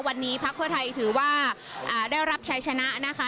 วันนี้พักเพื่อไทยถือว่าได้รับชัยชนะนะคะ